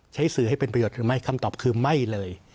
สื่อให้เป็นประโยชน์หรือไม่คำตอบคือไม่เลย